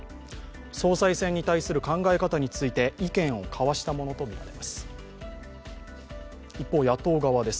総裁選に対する考え方について意見を交わしたものと見られます一方、野党側です。